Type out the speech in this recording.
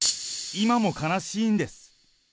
今も悲しいんです。